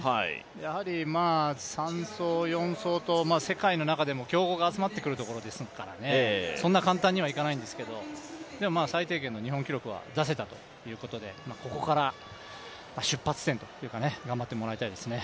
やはり３走、４走と世界の中でも強豪が集まってくるところですからそんな簡単にはいかないんですけど、でも最低限の日本記録は出せたというところでここから出発点というか、頑張ってもらいたいですね。